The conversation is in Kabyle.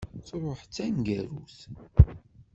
Truḥ d taneggarut.